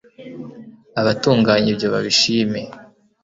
abatunganya ibyo babishime